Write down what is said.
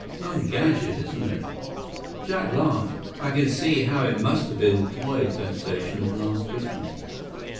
Some gadget, isn't it?" Jack laughed. "I can see how it must have been the toy sensation of last Christmas.